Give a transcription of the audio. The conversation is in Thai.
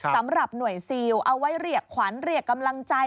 สำหรับหน่วยซิลเอาไว้เรียกขวัญเรียกกำลังใจ